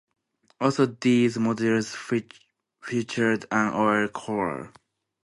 Also, these models featured an oil cooler.